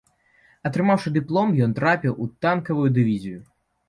Атрымаўшы дыплом, ён трапіў у танкавую дывізію.